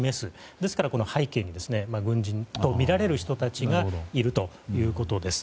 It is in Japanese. ですから、背景に軍人とみられる人たちがいるということです。